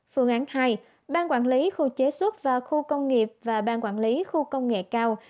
phương án hai bang quản lý khu chế xuất và khu công nghiệp và ban quản lý khu công nghệ cao